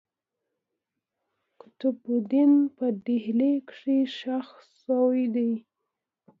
قطب الدین په ډهلي کښي ښخ سوی دئ.